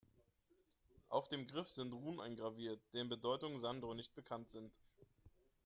Auf dem Griff sind Runen eingraviert, deren Bedeutung Sandro nicht bekannt sind.